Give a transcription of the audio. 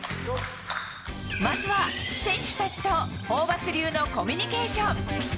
まずは選手たちとホーバス流のコミュニケーション。